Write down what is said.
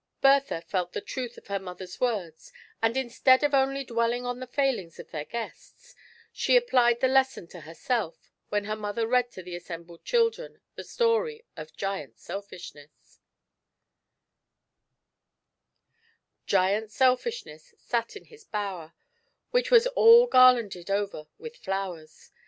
40 GIANT SELFISHNESS. Bertha felt the truth of her mother's words, and in stead of only dwelling on the failings of their guests, she applied the lesson to herself, when her mother read to the assembled children the story of Giant Selfishness sat in his bower, which was all gar landed over with flowers.